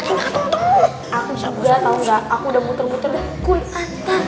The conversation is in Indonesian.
aku udah muter muter ke gunung antak